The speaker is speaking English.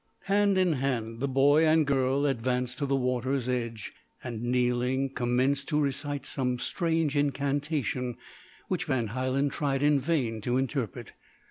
Hand in hand the boy and girl advanced to the water's edge, and kneeling, commenced to recite some strange incantation, which Van Hielen tried in vain to interpret.